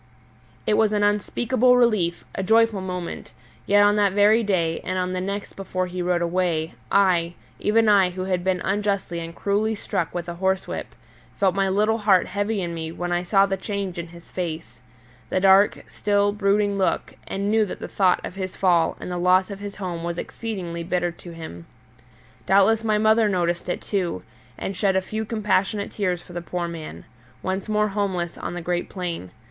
It was an unspeakable relief, a joyful moment; yet on that very day, and on the next before he rode away, I, even I who had been unjustly and cruelly struck with a horsewhip, felt my little heart heavy in me when I saw the change in his face the dark, still, brooding look, and knew that the thought of his fall and the loss of his home was exceedingly bitter to him. Doubtless my mother noticed it, too, and shed a few compassionate tears for the poor man, once more homeless on the great plain.